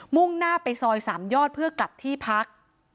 ่งหน้าไปซอยสามยอดเพื่อกลับที่พัก